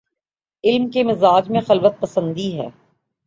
علم کے مزاج میں خلوت پسندی ہے۔